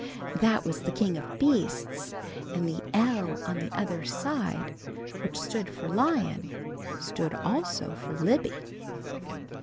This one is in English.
That was the king of beasts, and the L on the other side which stood for Lion, stood also for Libby.